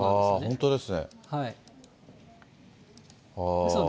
本当ですね。